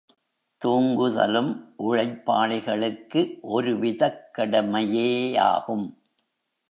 தூங்குதலும் உழைப்பாளிகளுக்கு ஒரு விதக் கடமையேயாகும்.